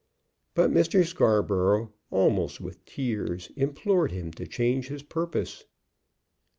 But Mr. Scarborough, almost with tears, implored him to change his purpose.